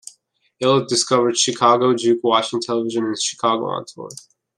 Elliott discovered Chicago juke watching television in Chicago on tour.